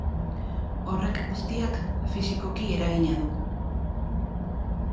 Horrek guztiak, fisikoki eragina du.